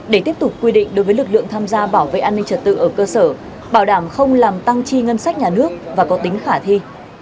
để tiếp tục quy định đối với lực lượng tham gia bảo vệ an ninh trật tự ở cơ sở bảo đảm không làm tăng chi ngân sách nhà nước và có tính khả thi